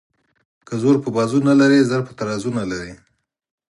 که زور په بازو نه لري زر په ترازو نه لري.